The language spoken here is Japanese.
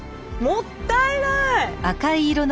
もったいない！